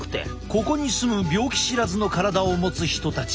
ここに住む病気知らずの体を持つ人たち。